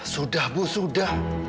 sudah bu sudah